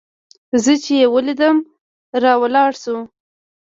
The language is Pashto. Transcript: زه چې يې ولېدلم راولاړ سو.